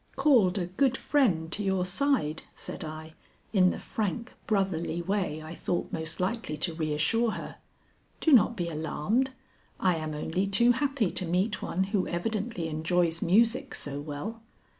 "Called a good friend to your side," said I in the frank, brotherly way I thought most likely to reassure her. "Do not be alarmed, I am only too happy to meet one who evidently enjoys music so well."